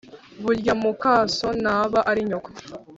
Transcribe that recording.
Burya mukaso ntaba ari nyoko.